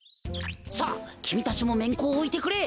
さあきみたちもめんこをおいてくれ。